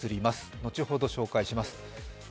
後ほど紹介します。